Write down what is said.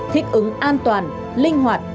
thích ứng an toàn linh hoạt